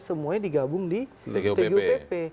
semuanya digabung di tgupp